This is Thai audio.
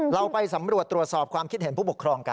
เราไปสำรวจตรวจสอบความคิดเห็นผู้ปกครองกัน